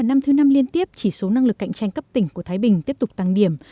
năm thứ năm liên tiếp chỉ số năng lực cạnh tranh cấp tỉnh của thái bình tiếp tục tăng điểm